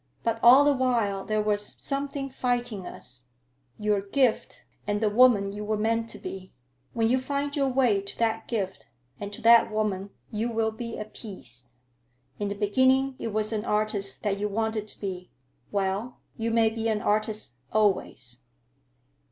But all the while there was something fighting us: your gift, and the woman you were meant to be. When you find your way to that gift and to that woman, you will be at peace. In the beginning it was an artist that you wanted to be; well, you may be an artist, always."